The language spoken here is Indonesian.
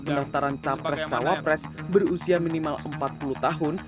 mengabulkan gugatan syarat pendaftaran capres cawapres berusia minimal empat puluh tahun